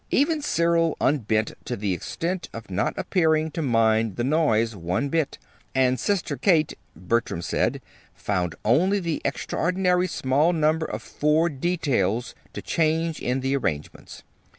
Even Cyril unbent to the extent of not appearing to mind the noise one bit; and Sister Kate (Bertram said) found only the extraordinarily small number of four details to change in the arrangements.